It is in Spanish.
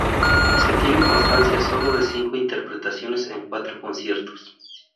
Se tiene constancia sólo de cinco interpretaciones en cuatro conciertos.